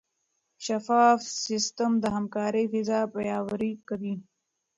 شفاف سیستم د همکارۍ فضا پیاوړې کوي.